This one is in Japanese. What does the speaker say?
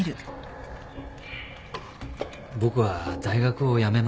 僕は大学を辞めます。